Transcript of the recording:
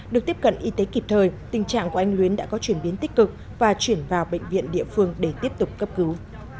được tiếp cận y tế kịp thời tình trạng của anh luyến đã có chuyển biến tích cực và chuyển vào bệnh viện địa phương để tiếp tục cấp cứu